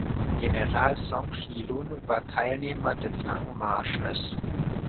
General Song Shi-Lun war Teilnehmer des Langen Marsches.